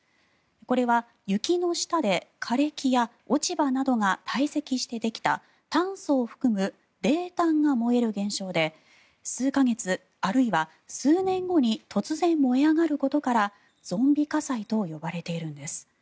これは雪の下で枯れ木や落ち葉などがたい積してできた炭素を含む泥炭が燃える現象で数か月、あるいは数年後に突然燃え上がることからゾンビ火災と呼ばれているんです。